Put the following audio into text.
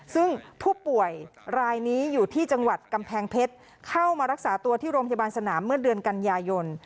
ซึ่งผู้ป่วยรายนี้อยู่ที่จังหวัดกำแพงเพชรเข้ามารักษาตัวที่โรงพยาบาลสนามเมื่อเดือนกันยายน